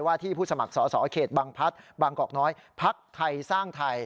ที่ผู้สมัครสอสอเขตบางพัฒน์บางกอกน้อยพักไทยสร้างไทย